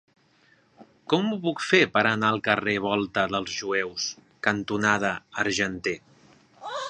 Com ho puc fer per anar al carrer Volta dels Jueus cantonada Argenter?